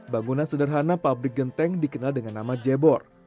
bangunan sederhana pabrik genteng dikenal dengan nama jebor